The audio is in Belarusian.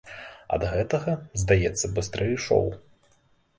Ад гэтага, здаецца, быстрэй ішоў.